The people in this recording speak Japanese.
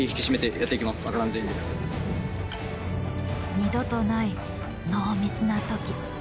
二度とない濃密な時。